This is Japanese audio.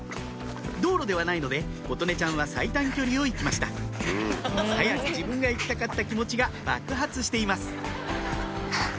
道路ではないので琴音ちゃんは最短距離を行きました早く自分が行きたかった気持ちが爆発しています